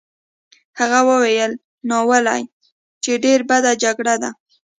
هغه وویل: ناولې! چې ډېره بده جګړه ده.